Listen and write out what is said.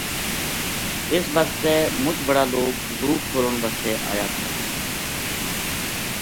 اس بسطے مچ بڑا لوک صندوق کھولن بسطے آیا تھا